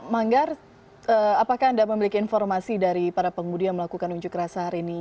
manggar apakah anda memiliki informasi dari para pengemudi yang melakukan unjuk rasa hari ini